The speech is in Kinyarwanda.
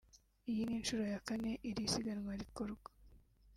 Iyi ni inshuro ya kane iri siganwa rikorwa